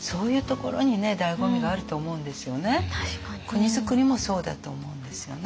国づくりもそうだと思うんですよね。